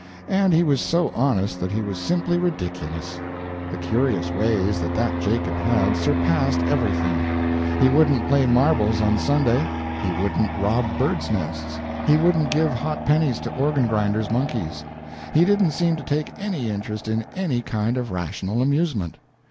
And he was so honest that he was simply ridiculous. The curious ways that that Jacob had, surpassed everything. He wouldn't play marbles on Sunday, he wouldn't rob birds' nests, he wouldn't give hot pennies to organ grinders' monkeys; he didn't seem to take any interest in any kind of rational amusement.